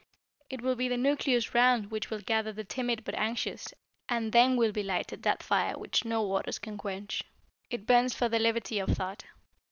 It will be the nucleus round which will gather the timid but anxious, and then will be lighted that fire which no waters can quench. It burns for the liberty of thought.